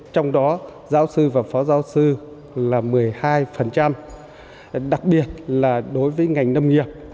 trong đó giáo sư và phó giáo sư là một mươi hai đặc biệt là đối với ngành nông nghiệp